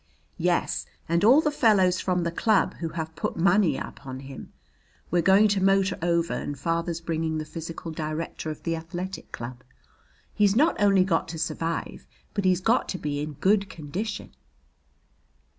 "Yes, and all the fellows from the club who have put money up on him. We're going to motor over and father's bringing the physical director of the athletic club. He's not only got to survive, but he's got to be in good condition."